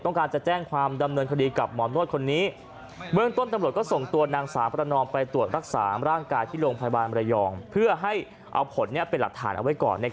ต้องการจะแจ้งความดำเนินคดีกับหมอมนวตคนนี้